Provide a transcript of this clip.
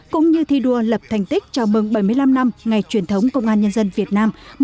cũng như thi đua lập thành tích chào mừng bảy mươi năm năm ngày truyền thống công an nhân dân việt nam